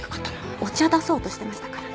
お茶出そうとしてましたからね。